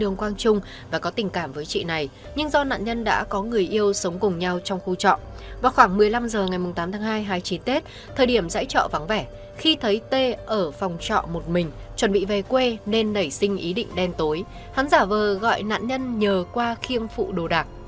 nhưng do nạn nhân đã có người yêu sống cùng nhau trong khu trọ vào khoảng một mươi năm h ngày tám tháng hai hai mươi chín tết thời điểm giải trọ vắng vẻ khi thấy tê ở phòng trọ một mình chuẩn bị về quê nên nảy sinh ý định đen tối hắn giả vờ gọi nạn nhân nhờ khoa khiêng phụ đồ đạc